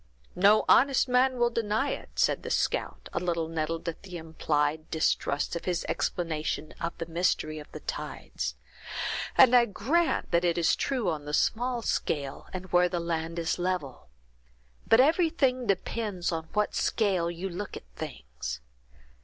"No honest man will deny it," said the scout, a little nettled at the implied distrust of his explanation of the mystery of the tides; "and I grant that it is true on the small scale, and where the land is level. But everything depends on what scale you look at things.